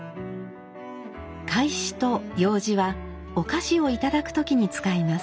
「懐紙」と「楊枝」はお菓子を頂く時に使います。